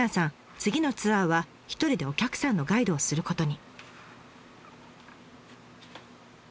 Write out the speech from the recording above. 次のツアーは一人でお客さんのガイドをすることに。